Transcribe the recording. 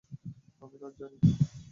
আমি নাচ জানি।